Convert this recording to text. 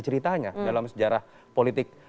ceritanya dalam sejarah politik